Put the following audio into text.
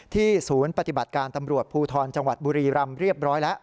ศูนย์ปฏิบัติการตำรวจภูทรจังหวัดบุรีรำเรียบร้อยแล้ว